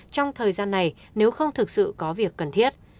trong thời gian này nếu không thực sự có việc cần thiết